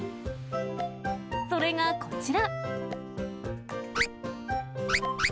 それがこちら。